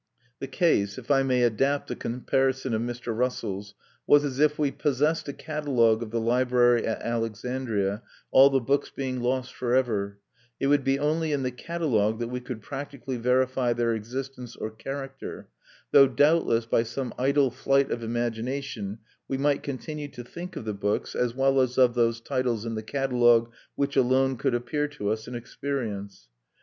The case, if I may adapt a comparison of Mr. Russell's, was as if we possessed a catalogue of the library at Alexandria, all the books being lost for ever; it would be only in the catalogue that we could practically verify their existence or character, though doubtless, by some idle flight of imagination, we might continue to think of the books, as well as of those titles in the catalogue which alone could appear to us in experience.